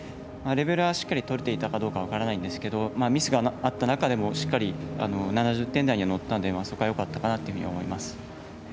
レベルはしっかり取れていたかどうか分からないんですがミスがあった中でもしっかり７０点台には乗ったのでそこはよかったかなと思います。